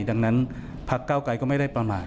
ดังนั้นพักเก้าไกรก็ไม่ได้ประมาท